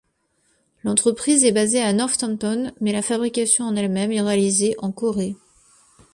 L'entreprise est basée à Northampton mais la fabrication en elle-même est réalisée en Corée.